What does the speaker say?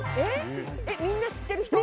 みんな知ってる人？